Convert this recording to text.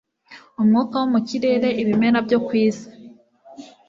Umwuka wo mu kirere ibimera byo ku isi